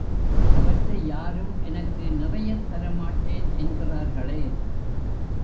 அவற்றையாரும் எனக்கு நிறையத் தாமாட்டேன் என்கிறார்களே.